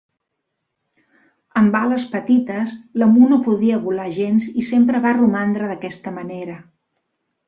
Amb ales petites, l'emú no podia volar gens i sempre va romandre d'aquesta manera.